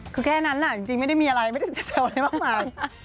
คือแะนั้นแน่จริงไม่ได้มีอะไรไม่ได้เสริมอะไรมากน้ำ